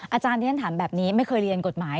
อาจารย์ที่ฉันถามแบบนี้ไม่เคยเรียนกฎหมาย